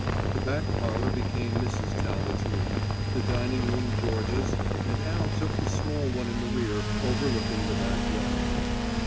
The back parlor became Mrs. Talbot's room, the dining room Georgia's, and Al took the small one in the rear, overlooking the back yard.